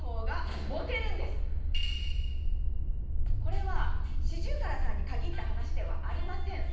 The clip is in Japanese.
これはシジュウカラさんに限った話ではありません。